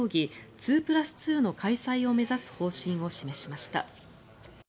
２プラス２の開催を目指す方針を示しました。